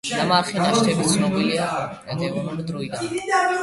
ნამარხი ნაშთები ცნობილია დევონური დროიდან.